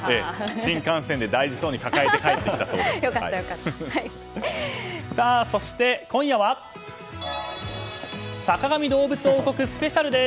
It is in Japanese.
新幹線で大事そうに抱えて帰ってきたそうです。